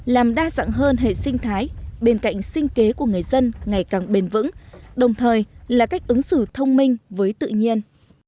làm đa dạng hơn hệ sinh thái bên cạnh sinh kế của người dân ngày càng bền vững đồng thời là cách ứng xử thông minh với tự nhiên